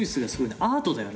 「アートだよね」